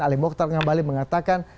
alim mokhtar ngambali mengatakan